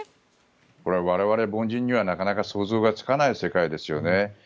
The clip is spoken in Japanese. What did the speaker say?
これは我々凡人にはなかなか想像がつかない世界ですよね。